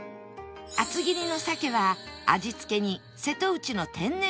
厚切りの鮭は味付けに瀬戸内の天然塩を使用